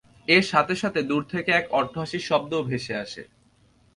এর সাথে সাথে দূর থেকে এক অট্টহাসির শব্দও ভেসে আসে।